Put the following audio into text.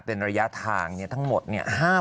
เป็นระยะทางทั้งหมดเนี่ย